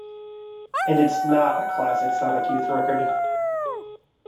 And it's not a classic Sonic Youth record.